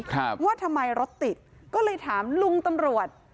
ครับว่าทำไมรถติดก็เลยถามลุงตำรวจ